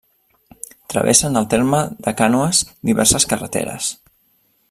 Travessen el terme de Cànoes diverses carreteres.